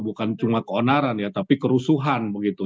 bukan cuma keonaran ya tapi kerusuhan begitu